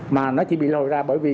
mà nó chỉ bị lòi ra bởi vì